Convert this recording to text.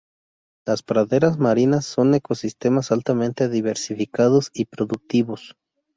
Las praderas marinas son ecosistemas altamente diversificados y productivos.